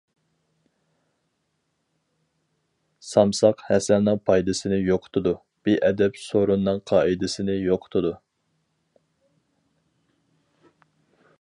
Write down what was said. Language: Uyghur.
سامساق ھەسەلنىڭ پايدىسىنى يوقىتىدۇ، بىئەدەپ سورۇننىڭ قائىدىسىنى يوقىتىدۇ.